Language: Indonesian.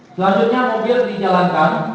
selanjutnya mobil dijalankan